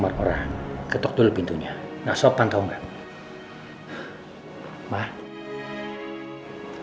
dan aku juga beliin makanan buat ibu